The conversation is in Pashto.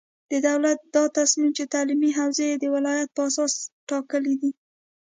د دولت دا تصمیم چې تعلیمي حوزې یې د ولایت په اساس ټاکلې دي،